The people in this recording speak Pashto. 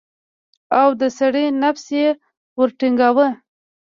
او د سړي نفس يې ورټنگاوه.